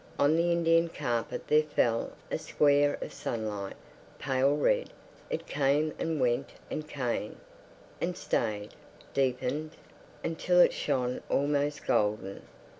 On the Indian carpet there fell a square of sunlight, pale red; it came and went and came—and stayed, deepened—until it shone almost golden.